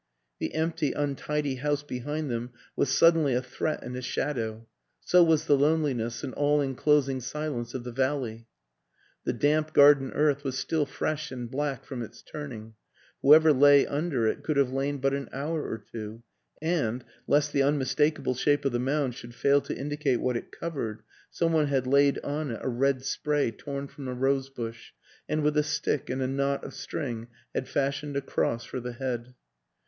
The empty, untidy house behind them was suddenly a threat and a shadow; so was the loneliness and all inclosing silence of the valley. ... The damp garden earth was still fresh and black from its turning; whoever lay under it could have lain but an hour or two; and, lest the unmistakable shape of the mound should fail to indicate what it covered, some one had laid on it a red spray torn from a rose bush and with a stick and a knot of string had fashioned a cross for the head.